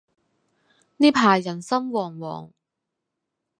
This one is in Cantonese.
呢排人心惶惶